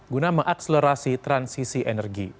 guna mengakselerasi transisi energi